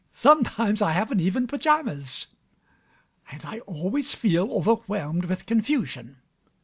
Sometimes I haven't even pyjamas. And I always feel overwhelmed with confusion.